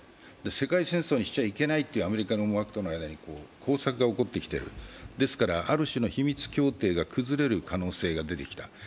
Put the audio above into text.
世界戦争にしちゃいけないというアメリカの思惑との間で交錯が起こってきているですからある種の秘密協定が崩れる可能性が出てきた。